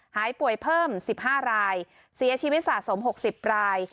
หายป่วยเพิ่ม๑๕รายเสียชีวิตสะสม๖๐ราย